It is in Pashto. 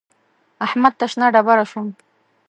احمد ته شنه ډبره شوم.